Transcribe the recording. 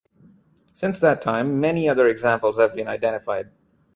Since that time, many other examples have been identified.